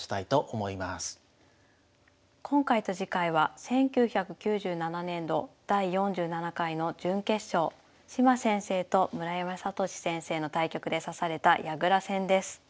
今回と次回は１９９７年度第４７回の準決勝島先生と村山聖先生の対局で指された矢倉戦です。